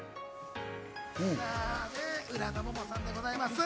浦野モモさんでございます。